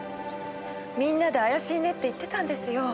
みんなで怪しいねって言ってたんですよ。